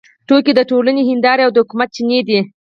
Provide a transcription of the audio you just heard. ټوکې د ټولنې هندارې او د حکمت چینې دي.